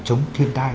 trong vấn đề đấu tranh